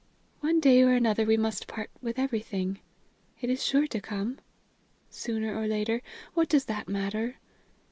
One day or another we must part with everything. It is sure to come. Sooner or later, what does that matter?